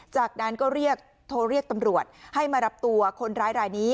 จากนั้นก็เรียกโทรเรียกตำรวจให้มารับตัวคนร้ายรายนี้